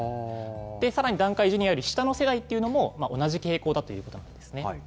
さらに団塊ジュニアより下の世代というのも、同じ傾向だということなんですね。